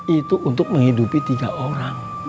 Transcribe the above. itu untuk menghidupi tiga orang